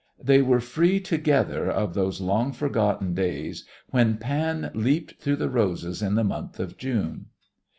They were free together of those long forgotten days when "Pan leaped through the roses in the month of June...!"